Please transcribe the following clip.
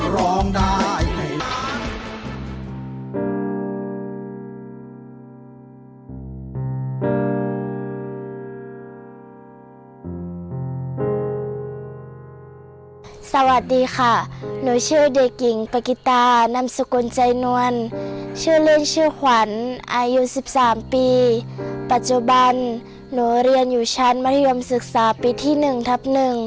ร้องได้ให้ร้องร้องได้สวัสดีค่ะหนูชื่อเด็กหญิงปกติน้ำสกุลใจนวลชื่อเล่นชื่อขวัญอายุ๑๓ปีปัจจุบันหนูเรียนอยู่ชั้นมัธยมศึกษาปีที่๑ทับ๑